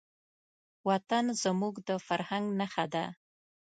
وطن زموږ د فرهنګ نښه ده.